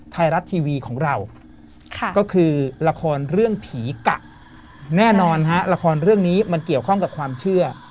ไทยรัฐทีวีของเราก็คือละครเรื่องผีกะแน่นอนฮะละครเรื่องนี้มันเกี่ยวข้องกับความเชื่อ